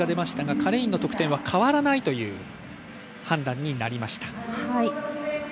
カレインの得点は変わらないという判断になりました。